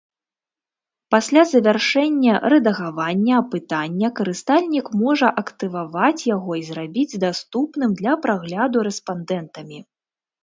Пасля завяршэння рэдагавання апытання, карыстальнік можа актываваць яго і зрабіць даступным для прагляду рэспандэнтамі.